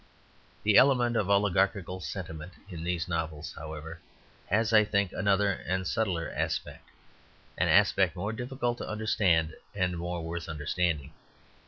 The element of oligarchical sentiment in these novels, however, has, I think, another and subtler aspect, an aspect more difficult to understand and more worth understanding.